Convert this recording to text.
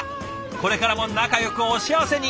これからも仲よくお幸せに！